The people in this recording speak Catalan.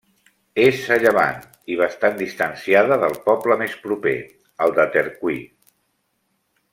És a llevant, i bastant distanciada, del poble més proper, el de Tercui.